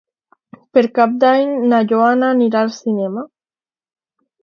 Per Cap d'Any na Joana anirà al cinema.